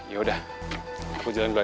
yaudah aku jalan dulu ya